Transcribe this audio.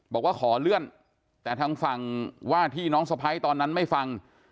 บอกว่าขอเลื่อนแต่ทางฝั่งว่าที่น้องสะพ้ายตอนนั้นไม่ฟัง